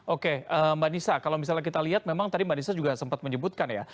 oke mbak nisa kalau misalnya kita lihat memang tadi mbak nisa juga sempat menyebutkan ya